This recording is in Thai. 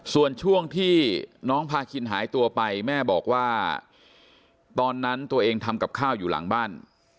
ส่วนช่วงที่น้องพาคินหายตัวไปแม่บอกว่าตอนนั้นตัวเองทำกับข้าวอยู่หลังบ้าน